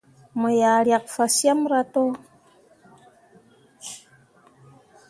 Mo yah riak fasyemme rah to.